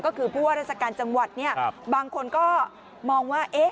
ก็คือผู้ว่าราชการจังหวัดเนี่ยบางคนก็มองว่า